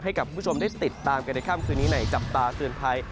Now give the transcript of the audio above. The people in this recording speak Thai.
ให้กับคุณผู้ชมได้ติดตามกันในค่ำคืนนี้ในจับตาเตือนภัย